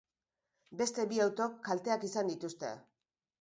Beste bi autok kalteak izan dituzte.